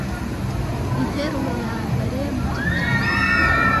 Interuro ya mbere mu gitabo “